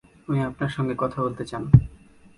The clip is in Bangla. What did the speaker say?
উনি আপনার সঙ্গে কথা বলতে চান।